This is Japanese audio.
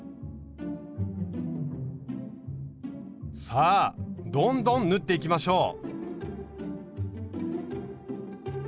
さあどんどん縫っていきましょう！